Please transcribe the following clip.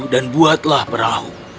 dan buatlah perahu